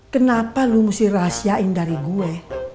kenapa lu mesti rahasiain dari gue